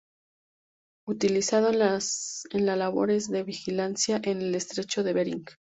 Utilizado en labores de vigilancia en el estrecho de Bering.